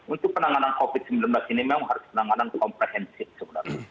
untuk penanganan covid sembilan belas ini memang harus penanganan komprehensif sebenarnya